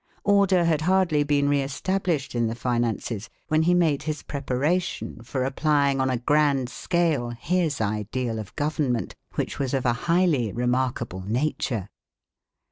Order had hardly been re established in the finances, when he made his preparation for applying on a grand scale his ideal of government, which was of a highly remarkable nature.